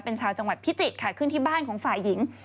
เป็นชาวจังหวัดพิจิตรค่ะขึ้นที่บ้านของฝ่ายหญิง